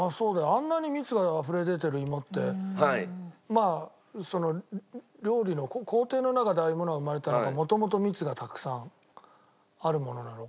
あんなに蜜があふれ出てる芋ってまあその料理の工程の中でああいうものが生まれたのか元々蜜がたくさんあるものなのか。